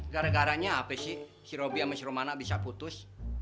gara garanya apa sih si roby sama si romana bisa putus